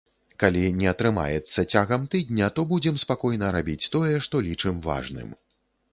Калі не атрымаецца цягам тыдня, то будзем спакойна рабіць тое, што лічым важным.